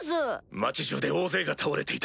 町じゅうで大勢が倒れていた。